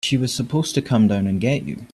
She was supposed to come down and get you.